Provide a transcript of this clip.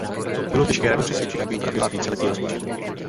Bylo těžké Radu přesvědčit, aby upravila víceletý rozpočet.